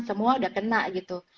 semua udah kena gitu